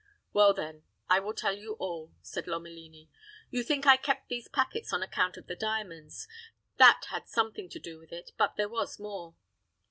"Well, then, I will tell you all," said Lomelini. "You think I kept these packets on account of the diamonds. That had something to do with it; but there was more.